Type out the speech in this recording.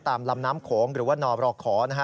ตามลำน้ำโขงหรือว่านรข